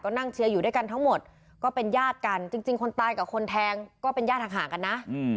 นั่งเชียร์อยู่ด้วยกันทั้งหมดก็เป็นญาติกันจริงคนตายกับคนแทงก็เป็นญาติห่างกันนะ